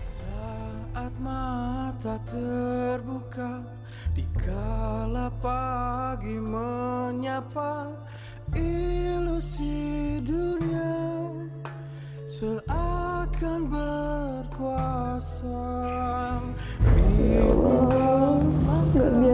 ya allah gak biasanya bang norman kasar seperti ini